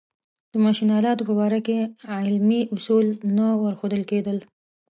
د ماشین آلاتو په باره کې علمي اصول نه ورښودل کېدل.